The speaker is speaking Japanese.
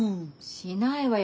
しないわよ。